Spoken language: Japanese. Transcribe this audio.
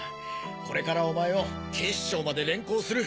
これからお前を警視庁まで連行する。